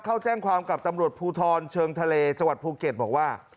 เข้าแจ้งความกับตำรวจภูทรเชิงทะเลจังหวัดภูเก็ตบอกว่า